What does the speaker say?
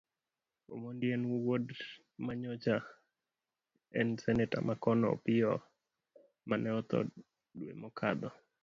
Omondi en wuod manyocha en seneta makono Opiyo mane otho dwe mokadho.